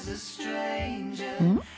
うん？